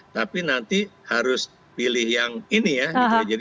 tapi nanti harus pilih yang ini ya gitu